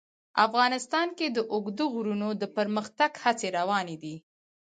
افغانستان کې د اوږده غرونه د پرمختګ هڅې روانې دي.